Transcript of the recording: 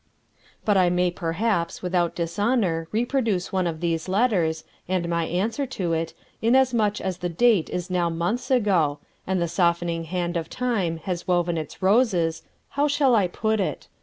But I may perhaps without dishonour reproduce one of these letters, and my answer to it, inasmuch as the date is now months ago, and the softening hand of Time has woven its roses how shall I put it?